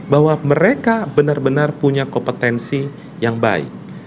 bahwa mereka benar benar punya kompetensi yang baik